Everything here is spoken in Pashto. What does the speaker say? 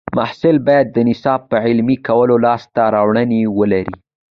محصل باید د نصاب په عملي کولو لاسته راوړنې ولري.